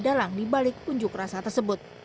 di balik unjuk rasa tersebut